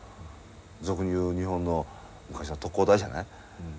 俗に言う日本の昔は特攻隊じゃない？